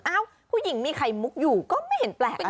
ผู้หญิงมีไข่มุกอยู่ก็ไม่เห็นแปลก